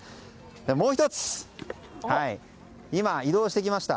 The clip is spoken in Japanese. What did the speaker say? もう１つ、移動してきました。